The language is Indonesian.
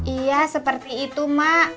iya seperti itu mak